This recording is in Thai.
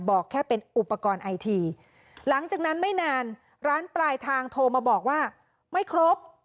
บอกแค่เป็นอุปกรณ์ไอทีหลังจากนั้นไม่นานร้านปลายทางโทรมาบอกว่าไม่ครบ